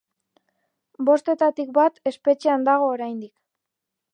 Bostetatik bat espetxean dago oraindik.